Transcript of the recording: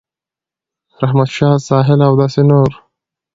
رحمت شاه ساحل او داسې نور